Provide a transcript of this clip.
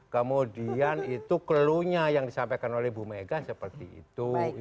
kemudian itu clue nya yang disampaikan oleh bu mega seperti itu